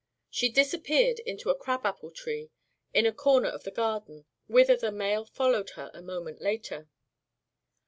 She disappeared into a crab apple tree in a corner of the garden, whither the male followed her a moment later.